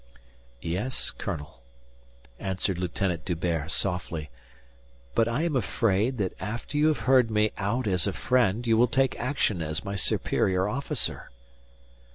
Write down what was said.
"Yes, colonel," answered Lieutenant D'Hubert softly, "but I am afraid that after you have heard me out as a friend, you will take action as my superior officer."